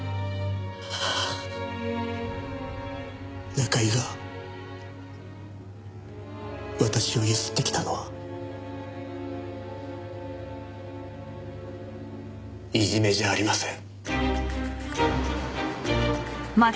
中居が私を強請ってきたのはいじめじゃありません。